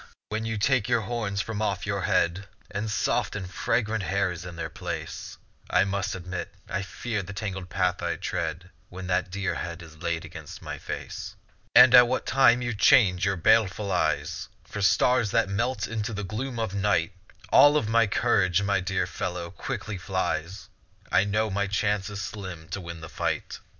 when you take your horns from off your head, And soft and fragrant hair is in their place; I must admit I fear the tangled path I tread When that dear head is laid against my face. And at what time you change your baleful eyes For stars that melt into the gloom of night, All of my courage, my dear fellow, quickly flies; I know my chance is slim to win the fight.